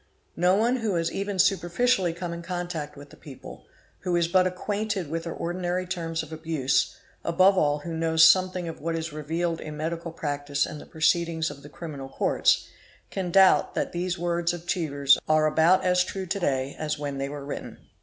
No one who has even superficially come in contact with the people, who is but acquainted with their ordinary terms of abuse, above all who knows something of _ what is revealed in medical practice and the proceedings of the criminal courts, can doubt that these words of Chevers"® are about as true to _ day as when they were written.